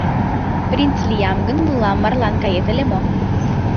— Принц лиям гын, мылам марлан кает ыле мо?